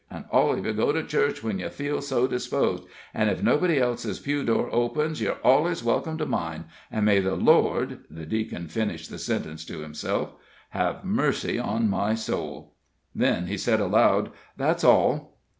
An' all of ye to go to church when ye feel so disposed. An' ef nobody else's pew door opens, yer allus welcome to mine. And may the Lord" the Deacon finished the sentence to himself "have mercy on my soul." Then he said, aloud: "That's all."